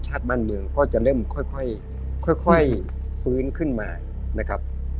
ชาติบ้านเมืองก็จะเริ่มค่อยฟื้นขึ้นมานะครับ